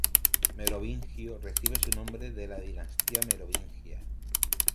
Merovingio recibe su nombre de la dinastía Merovingia.